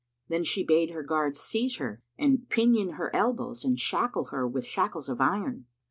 Then she bade her guards seize her and pinion her elbows and shackle her with shackles of iron.